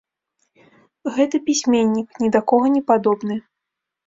Гэта пісьменнік, ні да кога не падобны.